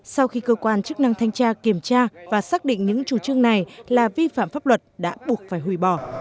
sau khi cơ quan chức năng thanh tra kiểm tra và xác định những chủ trương này là vi phạm pháp luật đã buộc phải hủy bỏ